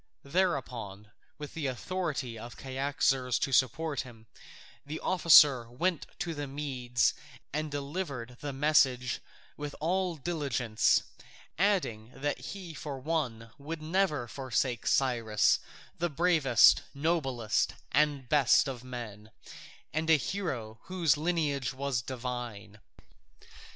Thereupon, with the authority of Cyaxares to support him, the officer went to the Medes and delivered with message with all diligence, adding that he for one would never forsake Cyrus, the bravest, noblest, and best of men, and a hero whose lineage was divine.